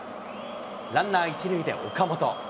ランナー１塁で岡本。